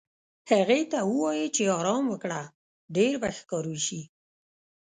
هغې ته ووایې چې ارام وکړه، ډېر به ښه کار وشي.